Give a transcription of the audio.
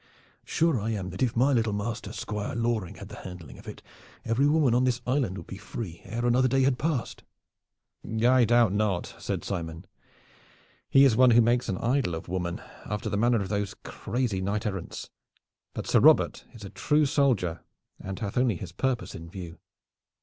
"Sure I am that if my little master Squire Loring had the handling of it, every woman on this island would be free ere another day had passed." "I doubt it not," said Simon. "He is one who makes an idol of woman, after the manner of those crazy knight errants. But Sir Robert is a true soldier and hath only his purpose in view."